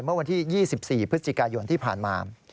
เมื่อวันที่๒๔พฤศจิกายนที่ผ่านมา